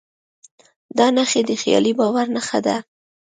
دا نښې د خیالي باور نښه ده.